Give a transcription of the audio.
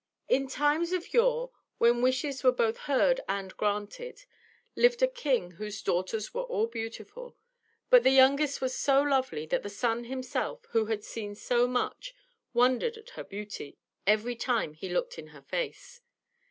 In times of yore, when wishes were both heard and granted, lived a king whose daughters were all beautiful, but the youngest was so lovely that the sun himself, who has seen so much, wondered at her beauty every time he looked in her face.